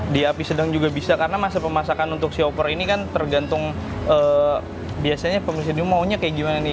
di api sedang juga bisa karena masa pemasakan untuk shopper ini kan tergantung biasanya pemirsa maunya kayak gimana nih